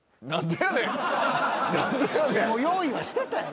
用意はしてたやろ？